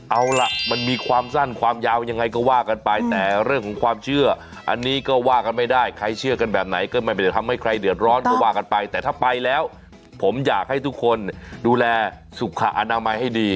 เอาล่ะมันมีความสั้นความยาวยังไงก็ว่ากันไปแต่เรื่องของความเชื่ออันนี้ก็ว่ากันไม่ได้ใครเชื่อกันแบบไหนก็ไม่ได้ทำให้ใครเดือดร้อนก็ว่ากันไปแต่ถ้าไปแล้วผมอยากให้ทุกคนดูแลสุขอนามัยให้ดี